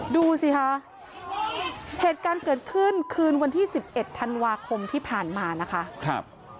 ดูสิคะเหตุการณ์เกิดขึ้นคืนวันที่๑๑ธันวาคมที่ผ่านมานะคะ